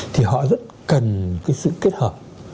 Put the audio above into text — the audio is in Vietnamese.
thì họ rất cần cái sự kết hợp